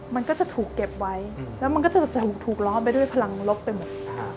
มันก็จะถูกเก็บไว้แล้วมันก็จะถูกล้อมไปด้วยพลังลบไปหมด